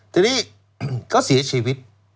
ทีนี้ก็เสียชีวิต